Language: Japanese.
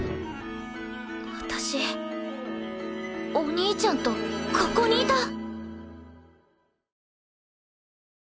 私お兄ちゃんとここにいた。